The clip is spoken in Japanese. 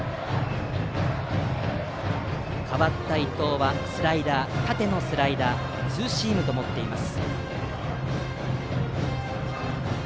代わった伊藤は縦のスライダー、ツーシームを持っています。